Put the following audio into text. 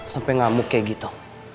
sampai ngamuk kayak gitu